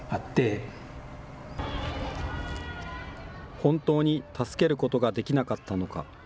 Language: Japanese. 本当に助けることができなかったのか。